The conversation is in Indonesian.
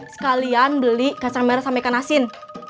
sekalian beli kacang merah sama ikan asin